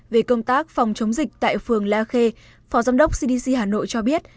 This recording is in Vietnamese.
về công tác phòng chống dịch tại phường la khê phó giám đốc cdc hà nội cho biết